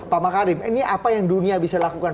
pak makarim ini apa yang dunia bisa lakukan